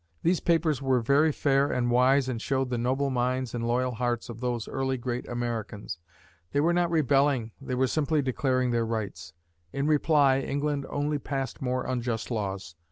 These papers were very fair and wise and showed the noble minds and loyal hearts of these early great Americans. They were not rebelling, they were simply declaring their rights. In reply, England only passed more unjust laws.